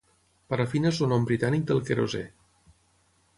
Parafina és el nom britànic del querosè